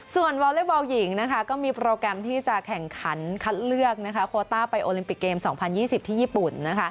ส่วนวอเล็กบอลหญิงก็มีโปรแกรมที่จะแข่งขันคัดเลือกโคต้าไปโอลิมปิกเกม๒๐๒๐ที่ญี่ปุ่น